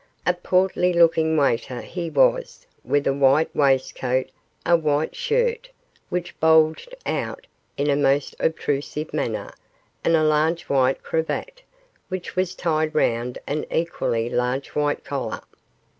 A portly looking waiter he was, with a white waistcoat, a white shirt, which bulged out in a most obtrusive manner, and a large white cravat, which was tied round an equally large white collar.